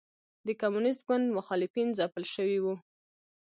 د کمونېست ګوند مخالفین ځپل شوي وو.